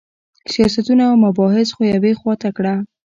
سیاستونه او مباحث خو یوې خوا ته کړه.